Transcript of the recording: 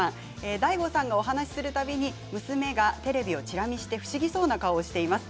ＤＡＩＧＯさんが話すたびに娘がテレビをちら見して不思議そうな顔をしています。